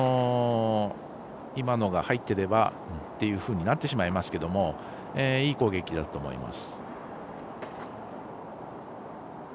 今のが入っていればというふうになってしまいますけれどもいい攻撃だと思います。